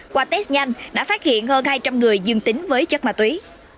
qua test nhanh đã phát hiện hơn hai trăm linh người dương tính với chất ma túy